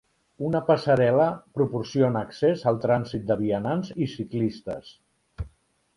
Una passarel·la proporciona accés al trànsit de vianants i ciclistes.